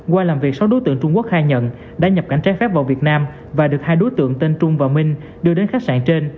qua làm việc sáu đối tượng trung quốc khai nhận đã nhập cảnh trái phép vào việt nam và được hai đối tượng tên trung và minh đưa đến khách sạn trên